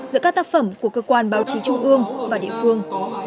giữa các tác phẩm của cơ quan báo chí trung ương và địa phương